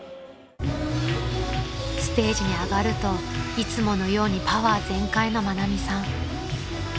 ［ステージに上がるといつものようにパワー全開の愛美さん］